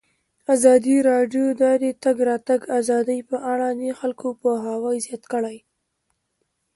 ازادي راډیو د د تګ راتګ ازادي په اړه د خلکو پوهاوی زیات کړی.